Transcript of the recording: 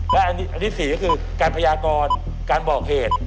และอันที่๔ก็คือการพยากรการบอกเหตุ